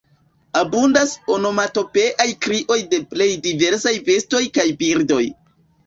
Abundas onomatopeaj krioj de plej diversaj bestoj kaj birdoj.